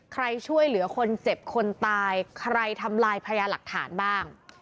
ช่วยเหลือคนเจ็บคนตายใครทำลายพญาหลักฐานบ้าง